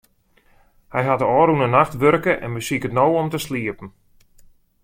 Hy hat de ôfrûne nacht wurke en besiket no om te sliepen.